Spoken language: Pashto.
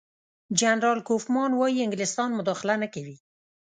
جنرال کوفمان وايي انګلیسان مداخله نه کوي.